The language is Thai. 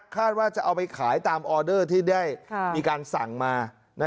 ว่าจะเอาไปขายตามออเดอร์ที่ได้มีการสั่งมา